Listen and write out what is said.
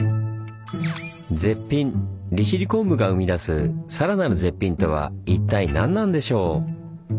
絶品利尻昆布が生み出すさらなる「絶品」とは一体何なんでしょう？